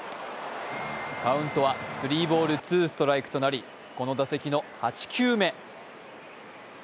カウントはスリーボール・ツーストライクとなりこの打席の８球目。